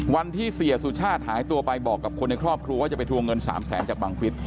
วันที่เสียสุชาติหายตัวไปบอกกับคนในครอบครัวว่าจะไปทวงเงิน๓แสนจากบังฟิศ